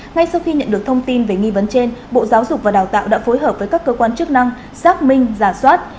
ngay sau khi nhận được thông tin về nghi vấn trên bộ giáo dục và đào tạo đã phối hợp với các cơ quan chức năng xác minh giả soát